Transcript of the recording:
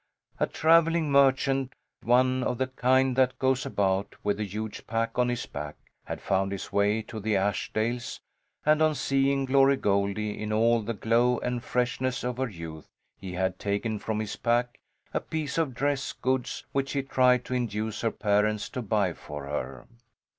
A travelling merchant, one of the kind that goes about with a huge pack on his back, had found his way to the Ashdales, and on seeing Glory Goldie in all the glow and freshness of her youth he had taken from his pack a piece of dress goods which he tried to induce her parents to buy for her.